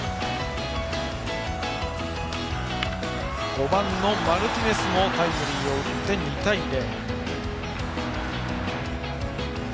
５番のマルティネスもタイムリーを打って２対０。